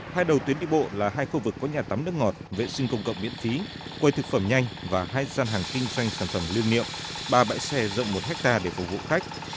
hai đầu tuyến đi bộ là hai khu vực có nhà tắm nước ngọt vệ sinh công cộng miễn phí quầy thực phẩm nhanh và hai gian hàng kinh doanh sản phẩm lưu niệm ba bãi xe rộng một ha để phục vụ khách